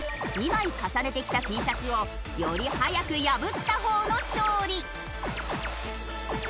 ２枚重ねて着たＴシャツをより速く破った方の勝利。ＨｉＨｉＪｅｔｓ